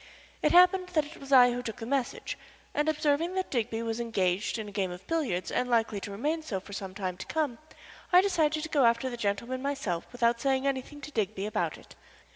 It happened that it was I who took the message, and observing that Digby was engaged in a game of billiards, and likely to remain so for some time to come, I decided to go after the gentleman myself without saying anything to Digby about it.